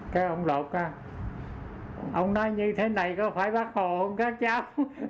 cái ông lột ông nói như thế này có phải bắt hồ không các cháu